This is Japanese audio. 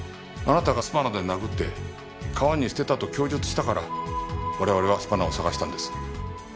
あなたがスパナで殴って川に捨てたと供述したから我々はスパナを捜したんです。